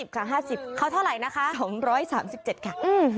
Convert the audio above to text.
ค่ะ๕๐เขาเท่าไหร่นะคะ๒๓๗ค่ะ